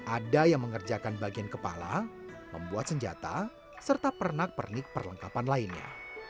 ada yang mengerjakan bagian kepala membuat senjata serta pernak pernik perlengkapan lainnya